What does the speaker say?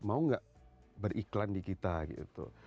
mau nggak beriklan di kita gitu